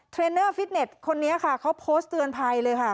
เนอร์ฟิตเน็ตคนนี้ค่ะเขาโพสต์เตือนภัยเลยค่ะ